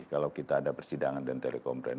kalau kita ada persidangan dan telekomplain